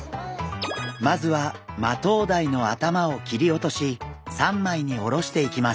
まずはマトウダイの頭を切り落とし三枚におろしていきます。